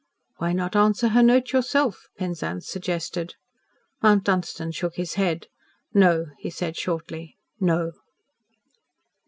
"Why not answer her note yourself?" Penzance suggested. Mount Dunstan shook his head. "No," he said shortly. "No."